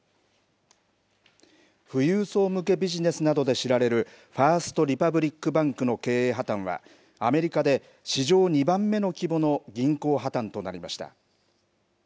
富裕層向けビジネスなどで知られるファースト・リパブリック・バンクの経営破綻は、アメリカで史上２番目の規模の銀行破綻となりました。